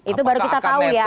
itu baru kita tahu ya